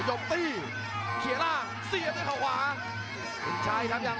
ตอนนี้นะครับฉลามขาว